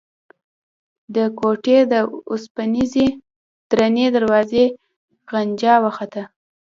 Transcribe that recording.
د کوټې د اوسپنيزې درنې دروازې غنجا وخته.